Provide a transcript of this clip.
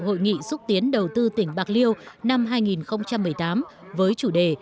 hội nghị xúc tiến đầu tư tỉnh bạc liêu năm hai nghìn một mươi tám với chủ đề